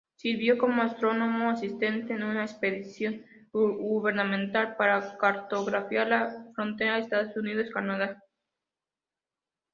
Sirvió como astrónomo asistente en una expedición gubernamental para cartografiar la frontera Estados Unidos-Canadá.